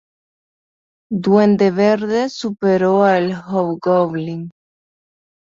Duende Verde superó al Hobgoblin.